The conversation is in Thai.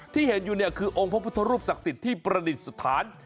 ที่เห็นอยู่เนี่ยคือองค์พระพุทธรูปศักดิ์สิทธิ์ที่ประดิษฐาน